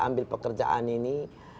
ambil pekerjaan ini